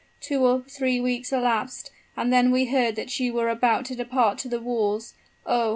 Two or three weeks elapsed, and then we heard that you were about to depart to the wars. Oh!